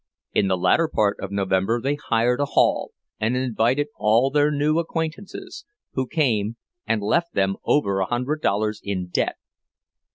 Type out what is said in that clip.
In the latter part of November they hired a hall, and invited all their new acquaintances, who came and left them over a hundred dollars in debt.